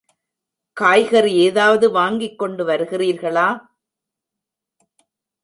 காய்கறி ஏதாவது வாங்கிக் கொண்டு வருகிறீர்களா?